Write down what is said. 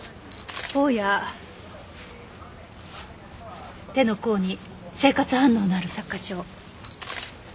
頬や手の甲に生活反応のある擦過傷。